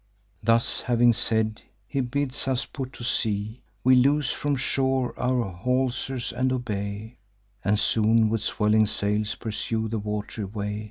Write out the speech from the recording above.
"Thus having said, he bids us put to sea; We loose from shore our haulsers, and obey, And soon with swelling sails pursue the wat'ry way.